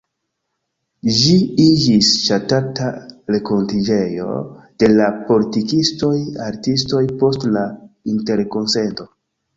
Ĝi iĝis ŝatata renkontiĝejo de la politikistoj, artistoj post la Interkonsento.